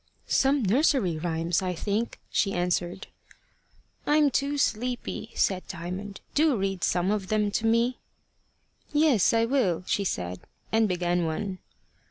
"Some nursery rhymes, I think," she answered. "I'm too sleepy," said Diamond. "Do read some of them to me." "Yes, I will," she said, and began one.